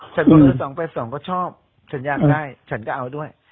ฉันต้องเอา๒๘๒ก็ชอบฉันอยากได้ฉันก็เอาด้วย